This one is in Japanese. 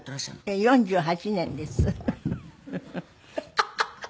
ハハハハ。